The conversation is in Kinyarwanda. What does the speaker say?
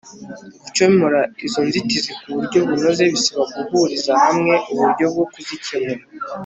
gukemura izo nzitizi ku buryo bunoze bisaba guhuriza hamwe uburyo bwo kuzicyemura